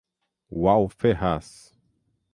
Wall Ferraz